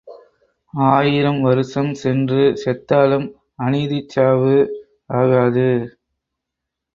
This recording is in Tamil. ஆயிரம் வருஷம் சென்று செத்தாலும் அநீதிச் சாவு ஆகாது.